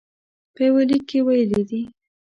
په یوه لیک کې ویلي دي.